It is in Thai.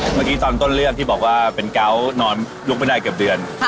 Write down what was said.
เมื่อกี้ตอนต้นเรื่องที่บอกว่าเป็นเกาะนอนลุกไม่ได้เกือบเดือน